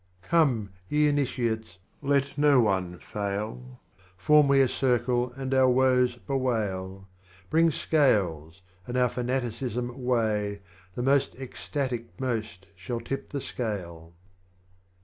21. Come ye Initiates, let no one fail ; Form we a Circle and our Woes bewail, Bring Scales and our Fanaticism Aveigh, The most Ecstatic most shall tip the Scale.